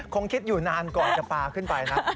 คิดอยู่นานก่อนจะปลาขึ้นไปนะ